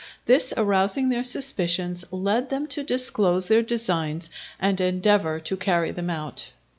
This arousing their suspicion, led them to disclose their designs and endeavour to carry them out.